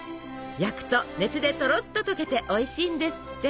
焼くと熱でとろっと溶けておいしいんですって。